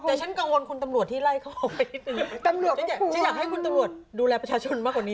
แต่ฉันกังวลคุณตำรวจที่ไล่เขาออกไปนิดนึงตำรวจฉันอยากให้คุณตำรวจดูแลประชาชนมากกว่านี้